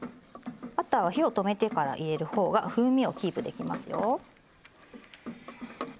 バターは火を止めてから入れる方が風味をキープできますよ。